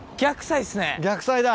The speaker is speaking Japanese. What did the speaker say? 逆サイだ